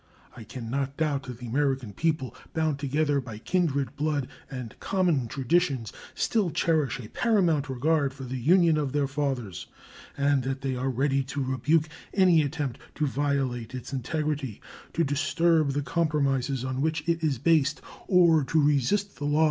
I can not doubt that the American people, bound together by kindred blood and common traditions, still cherish a paramount regard for the Union of their fathers, and that they are ready to rebuke any attempt to violate its integrity, to disturb the compromises on which it is based, or to resist the laws which have been enacted under its authority.